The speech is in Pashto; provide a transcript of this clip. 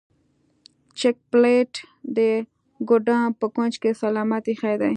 جک پلیټ د ګدام په کونج کې سلامت ایښی دی.